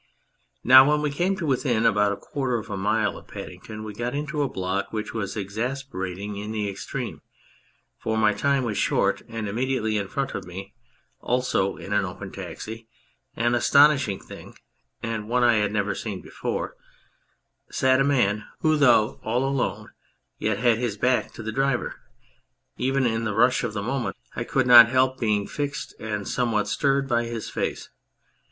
Now when we came to within about a quarter of a mile of Paddington we got into a block, which was exasperating in the extreme, for my time was short, and immediately in front of me, also in an open taxi an astonishing thing, and one I had never seen before sat a man who though all alone yet had his back to the driver. Even in the rush of the moment I could not help being fixed and somewhat stirred by his face.